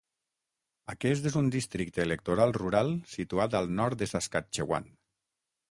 Aquest és un districte electoral rural situat al nord de Saskatchewan.